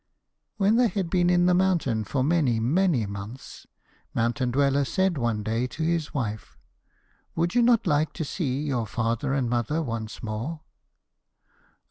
When they had been in the mountain for many, many months, Mountain Dweller said one day to his wife: 'Would you not like to see your father and mother once more?'